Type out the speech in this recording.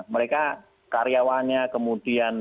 sehingga karyawannya kemudian